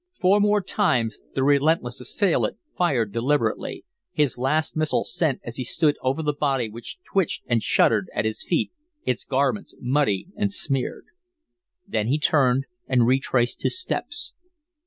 Four more times the relentless assailant fired deliberately, his last missile sent as he stood over the body which twitched and shuddered at his feet, its garments muddy and smeared. Then he turned and retraced his steps.